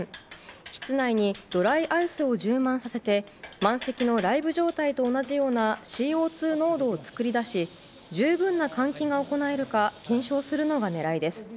室内にドライアイスを充満させて満席のライブ状態と同じようなＣＯ２濃度を作り出し行えるか検証するのが狙いです。